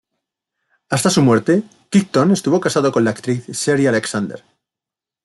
Hasta su muerte, Crichton estuvo casado con la actriz Sherri Alexander.